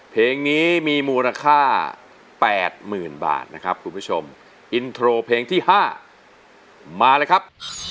เพลงนี้มีมูลค่า๘๐๐๐บาทนะครับคุณผู้ชมอินโทรเพลงที่๕มาเลยครับ